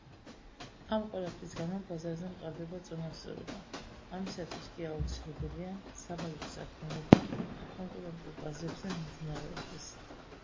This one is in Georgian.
ამ ყველაფრის გამო ბაზარზე მყარდება წონასწორობა, ამისათვის კი აუცილებელია საბაზრო საქმიანობა კონკურენტულ ბაზრებზე მიმდინარეობდეს.